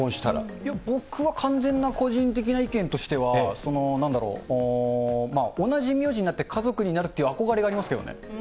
いや、僕は完全な個人的な意見としては、なんだろう、同じ名字になって家族になるっていう憧れがありますけどね。